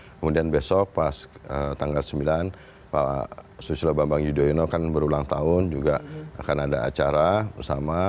kemudian besok pas tanggal sembilan pak susilo bambang yudhoyono kan berulang tahun juga akan ada acara bersama